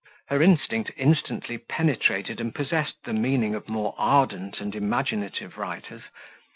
Her instinct instantly penetrated and possessed the meaning of more ardent and imaginative writers.